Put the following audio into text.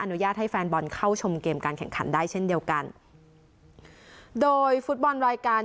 อุญาตให้แฟนบอลเข้าชมเกมการแข่งขันได้เช่นเดียวกันโดยฟุตบอลรายการ